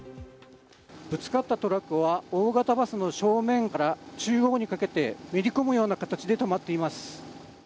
ぶつかったトラックは大型バスの正面から、中央にかけて、めり込むような形で止まっています。